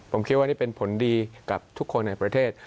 ผมคิดว่านี่เป็นผลดีกับทุกคนในประเทศ